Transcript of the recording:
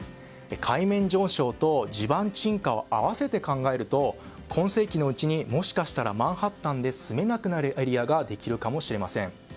海面上昇と地盤沈下を合わせて考えると今世紀のうちに、もしかしたらマンハッタンで住めなくなるエリアができるかもしれません。